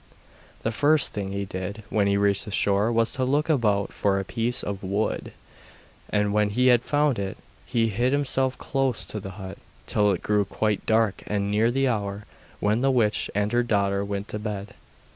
The first thing he did when he reached the shore was to look about for a piece of wood, and when he had found it he hid himself close to the hut, till it grew quite dark and near the hour when the witch and her daughter went to bed.